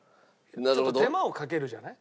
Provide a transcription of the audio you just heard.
ちょっと手間をかけるじゃない。